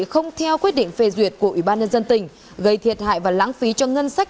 không theo quyết định phê duyệt của ủy ban nhân dân tỉnh gây thiệt hại và lãng phí cho ngân sách